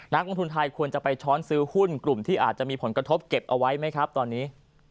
นักลงทุนไทยควรจะไปช้อนซื้อหุ้นกลุ่มที่อาจจะมีผลกระทบเก็บเอาไว้ไหมครับตอนนี้